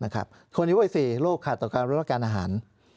คนยำพวกที่๔โรคขาดต่อการรับการอาหาร